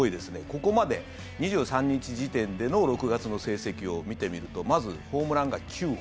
ここまで２３日時点での６月の成績を見てみるとまずホームランが９本。